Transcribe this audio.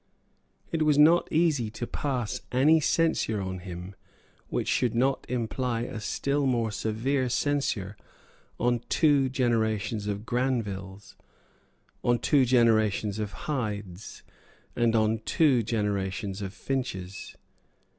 It was not easy to pass any censure on him which should not imply a still more severe censure on two generations of Granvilles, on two generations of Hydes, and on two generations of Finches.